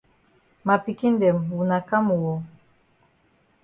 Ma pikin dem wuna kam oo.